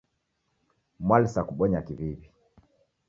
Mwalisa kubonya kiw'iw'i.